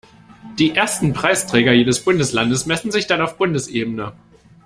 Die ersten Preisträger jedes Bundeslandes messen sich dann auf Bundesebene.